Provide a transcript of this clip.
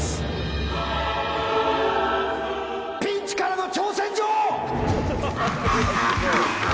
『ピンチからの挑戦状』！